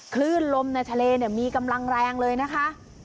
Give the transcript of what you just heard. คลื่นลมในทะเลมีกำลังแรงเลยนะคะ